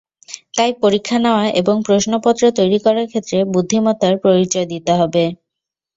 তাই পরীক্ষা নেওয়া এবং প্রশ্নপত্র তৈরি করার ক্ষেত্রে বুদ্ধিমত্তার পরিচয় দিতে হবে।